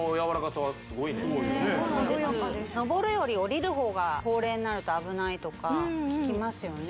上るより下りる方が高齢になると危ないとか聞きますよね